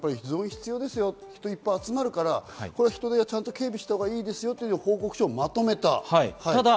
必要ですよ、人がいっぱい集まるから、警備したほうがいいですよという報告書をまとめたと。